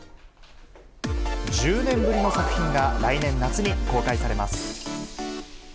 １０年ぶりの作品が、来年夏に公開されます。